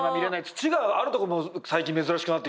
土があるところも最近珍しくなってきたから。